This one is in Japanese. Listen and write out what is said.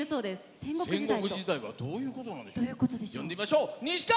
戦国時代はどういうことなんでしょうか。